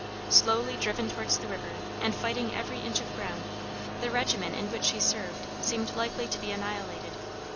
Slowly driven towards the river, and fighting every inch of ground, the regiment in which she served seemed likely to be annihilated.